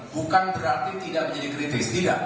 bukan berarti tidak menjadi kritis tidak